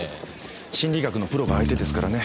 心理学のプロが相手ですからね。